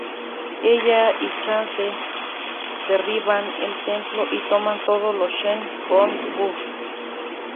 Ella y Chase derriban el templo y toman todos los Shen Gong Wu.